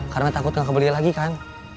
karena takut nggak kebeli lagi kan